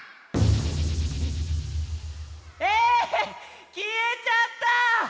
えきえちゃった！